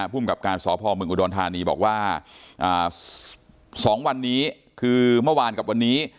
ภูมิกับการสพเมืองอุดรธานีบอกว่า๒วันนี้คือเมื่อวานกับวันนี้